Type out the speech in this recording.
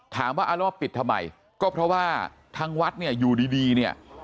ถามว่าเอาแล้วมาปิดทำไมก็เพราะว่าทางวัดเนี่ยอยู่ดีเนี่ย